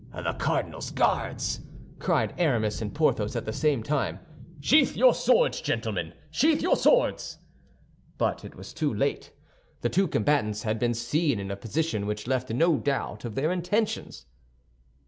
"The cardinal's Guards!" cried Aramis and Porthos at the same time. "Sheathe your swords, gentlemen, sheathe your swords!" But it was too late. The two combatants had been seen in a position which left no doubt of their intentions.